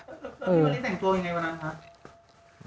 พี่มารีแต่งตรงอย่างไรบ้างคะ